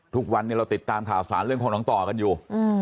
ทุกวันนี้เราติดตามข่าวสารเรื่องของน้องต่อกันอยู่